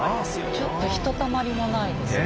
ちょっとひとたまりもないですね。